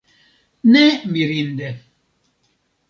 Ne mirinde!